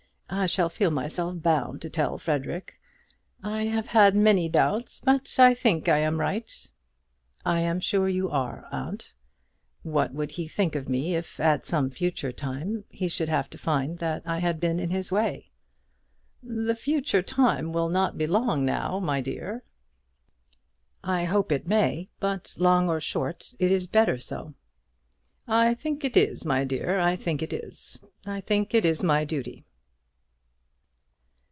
I shall feel myself bound to tell Frederic. I have had many doubts, but I think I am right." "I am sure you are, aunt. What would he think of me if, at some future time, he should have to find that I had been in his way?" "The future time will not be long now, my dear." "I hope it may; but long or short, it is better so." "I think it is, my dear; I think it is. I think it is my duty."